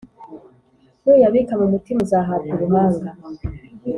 Nuyabika mu mutima, uzahabwa ubuhanga.